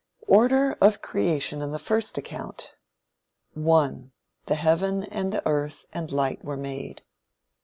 Order of creation in the first account: 1. The heaven and the earth, and light were made.